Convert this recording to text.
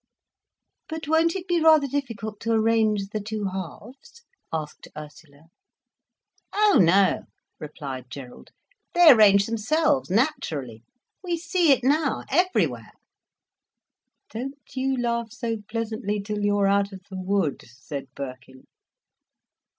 "But won't it be rather difficult to arrange the two halves?" asked Ursula. "Oh no," replied Gerald. "They arrange themselves naturally—we see it now, everywhere." "Don't you laugh so pleasantly till you're out of the wood," said Birkin.